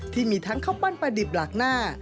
ที่มีทั้งข้าวปั้นปลาดิบหลักหน้า